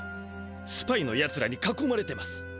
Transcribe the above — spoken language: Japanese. スパイのやつらにかこまれてます。